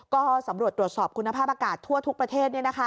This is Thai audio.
ก็สำรวจตรวจสอบคุณภาพอากาศทั่วทุกประเทศ